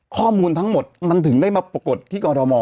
ข้อมูลทั้งหมดมันถึงได้มาปรากฏที่กรทม